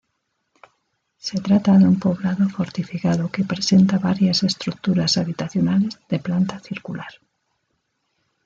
Se trata de un poblado fortificado que presenta varias estructuras habitacionales de planta circular.